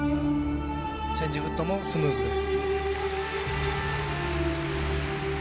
チェンジフットもスムーズです。